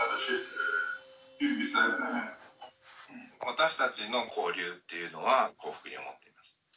私たちの交流っていうのは幸福に思っています。